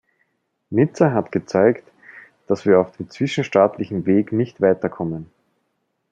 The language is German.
Nizza hat gezeigt, dass wir auf dem zwischenstaatlichen Weg nicht weiterkommen.